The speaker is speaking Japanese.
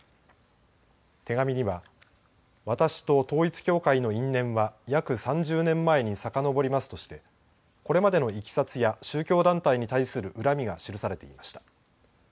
手紙には私と統一教会の因縁は約３０年前にさかのぼりますとされこれまでのいきさつや宗教団体に対する恨みが記されていました。